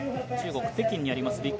中国・北京にあります